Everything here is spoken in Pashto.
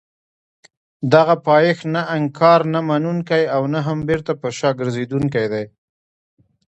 دغه پایښت نه انکار نه منونکی او نه هم بېرته پر شا ګرځېدونکی دی.